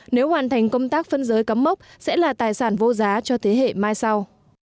nếu hoàn thành công tác phân giới cắm mốc sẽ là tài sản vô giá cho thế hệ mai sau